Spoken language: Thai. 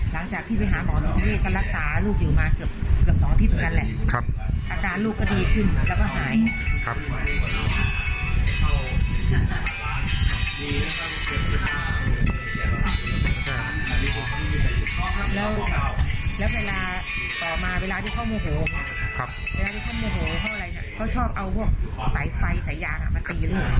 แล้วเวลาต่อมาเวลาที่เขาโมโหเขาชอบเอาพวกสายไฟสายยางมาตีลูก